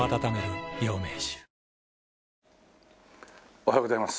おはようございます。